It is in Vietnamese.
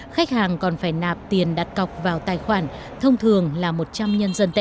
khách hàng còn phải nạp tiền đặt cọc vào tài khoản thông thường là một trăm linh nhân dân tệ